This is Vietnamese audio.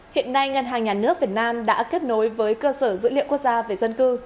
hiện nay ngân hàng nhà nước việt nam đã kết nối với cơ sở dữ liệu quốc gia về dân cư